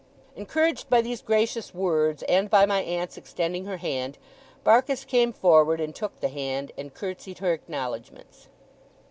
Encouraged by these gracious words, and by my aunt's extending her hand, Barkis came forward, and took the hand, and curtseyed her acknowledgements.